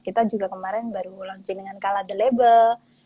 kita juga kemarin baru launching dengan kala the label